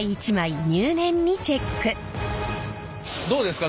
どうですか？